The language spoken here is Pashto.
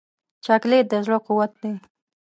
چاکلېټ د زړه قوت دی.